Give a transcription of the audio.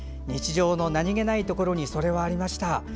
日常の何気ないところにそれはありました。